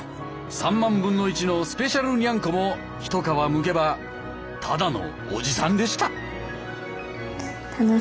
３万分の１のスペシャルニャンコも一皮むけばただのおじさんでした。